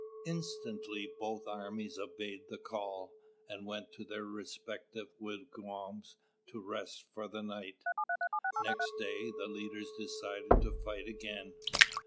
Instantly both armies obeyed the call, and went to their respective wigwams to rest for the night. Next day, the leaders decided to fight again.